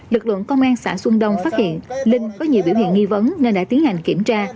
lực lượng công an xã xuân đông phát hiện linh có nhiều biểu hiện nghi vấn nên đã tiến hành kiểm tra